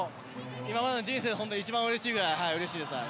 今までの人生で一番うれしいくらいうれしいです。